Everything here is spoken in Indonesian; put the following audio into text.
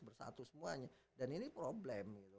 bersatu semuanya dan ini problem